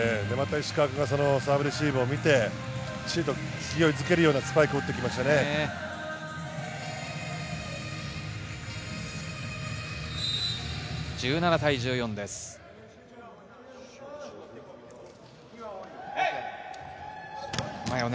石川君がサーブレシーブを見て、しっかりと勢いづけるようなサーブを打ってきましたね。